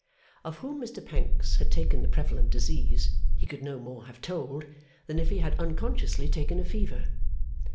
Of whom Mr Pancks had taken the prevalent disease, he could no more have told than if he had unconsciously taken a fever.